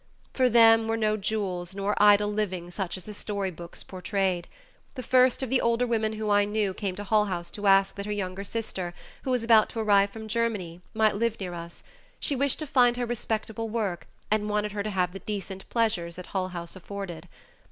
For them were no jewels nor idle living such as the storybooks portrayed. The first of the older women whom I knew came to Hull House to ask that her young sister, who was about to arrive from Germany, might live near us; she wished to find her respectable work and wanted her to have the "decent pleasures" that Hull House afforded.